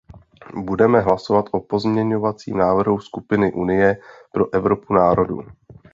Budeme hlasovat o pozměňovacím návrhu skupiny Unie pro Evropu národů.